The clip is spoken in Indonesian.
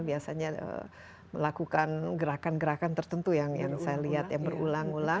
biasanya melakukan gerakan gerakan tertentu yang saya lihat yang berulang ulang